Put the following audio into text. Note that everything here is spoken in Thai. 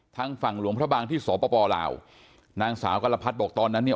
ทางฝั่งหลวงพระบางที่สปลาวนางสาวกรพัดบอกตอนนั้นเนี่ย